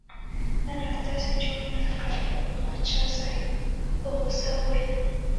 نن راته داسې جوړ نه ښکارې پاچا صاحب په غوسه وویل.